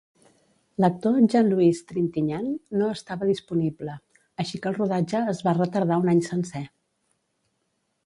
L'actor Jean-Louis Trintignant no estava disponible, així que el rodatge es va retardar un any sencer.